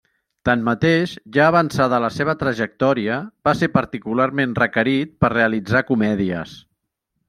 Tanmateix, ja avançada la seva trajectòria, va ser particularment requerit per realitzar comèdies.